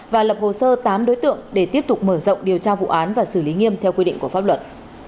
và lập hồ sơ tám đối tượng để tiếp tục mở rộng điều tra vụ án và xử lý nghiêm theo quy định của pháp luật